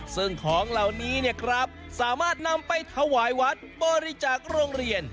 ซึ่งของเหล่านี้เนี่ยครับสามารถนำไปถวายวัดบริจาคโรงเรียน